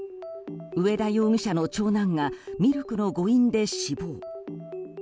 上田容疑者の長男がミルクの誤飲で死亡。